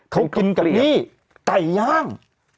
เขากินกะเ฼ียนี่ไก่ย่าง